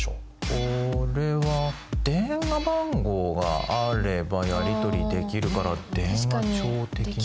これは電話番号があればやり取りできるから電話帳的な？